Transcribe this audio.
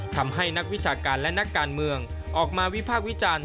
ทำให้นักวิชาการและนักการเมืองออกมาวิพากษ์วิจารณ์